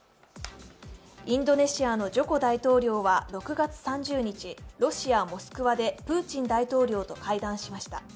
インドネシアのジョコ大統領は６月３０日、ロシア・モスクワでプーチン大統領と会談しました。